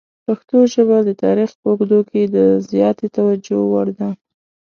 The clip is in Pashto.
پښتو ژبه د تاریخ په اوږدو کې د زیاتې توجه وړ ده.